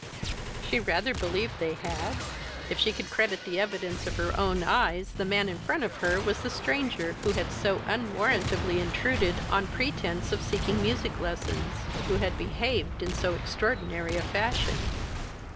She rather believed they had? If she could credit the evidence of her own eyes the man in front of her was the stranger who had so unwarrantably intruded on pretence of seeking music lessons who had behaved in so extraordinary a fashion!